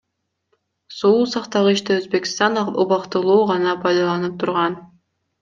Суу сактагычты Өзбекстан убактылуу гана пайдаланып турган.